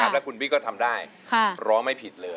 แล้วคุณบิ๊กก็ทำได้ร้องไม่ผิดเลย